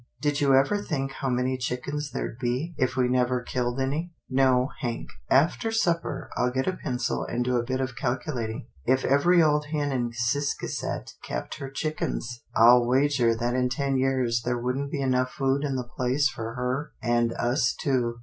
Did you ever think how many chickens there'd be, if we never killed any ?"" No, Hank." " After supper I'll get a pencil and do a bit of calculating. If every old hen in Ciscasset kept her chickens, I'll wager that in ten years there wouldn't be enough food in the place for her and us too.